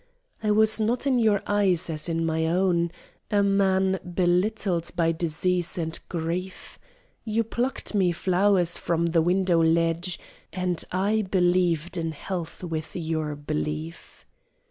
I was not in your eyes, as in my own, A man belittled by disease and grief; You plucked me flowers from the window ledge, And I believed in health with your belief.